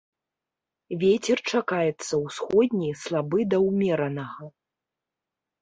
Вецер чакаецца ўсходні слабы да ўмеранага.